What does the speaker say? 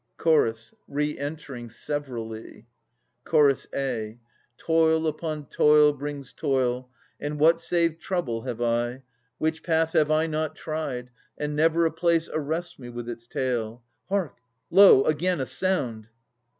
Chorus {re entering severally). Ch. a. Toil upon toil brings toil, And what save trouble have I? Which path have I not tried? And never a place arrests me with its tale. Hark! lo, again a sound!